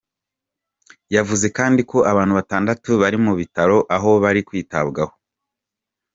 Yavuze kandi ko abantu batandatu bari mu bitaro aho bari kwitabwaho.